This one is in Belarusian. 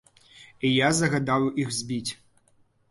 І я загадаў іх збіць.